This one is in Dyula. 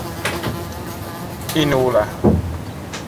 I ni wula.